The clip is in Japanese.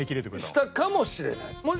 したかもしれない。